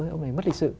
ông ấy mất lịch sự